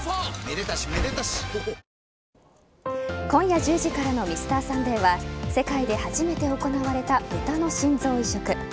今夜１０時からの「Ｍｒ．サンデー」は世界で初めて行われたブタの心臓移植。